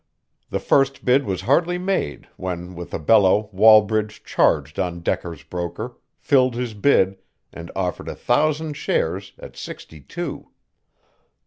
The first bid was hardly made when with a bellow Wallbridge charged on Decker's broker, filled his bid, and offered a thousand shares at sixty two.